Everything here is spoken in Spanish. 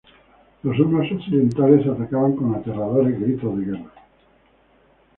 Los hunos occidentales atacaban con aterradores gritos de guerra.